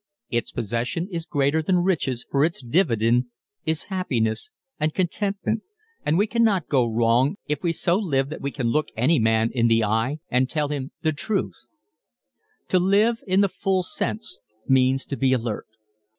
Its possession is greater than riches for its dividend is happiness and contentment and we cannot go wrong if we so live that we can look any man in the eye and tell him the truth. To live in the full sense means to be alert.